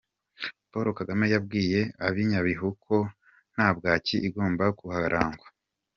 Paul Kagame yabwiye abi nyabihu ko ntabwaki igomba kuharangwa.